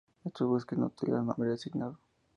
Estos buques, no tuvieron nombre asignado.